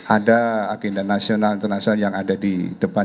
ada agenda nasional internasional yang ada di depan